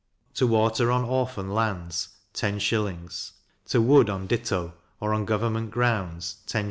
to water on Orphan lands 10s.; to wood on ditto, or on government grounds, 10s.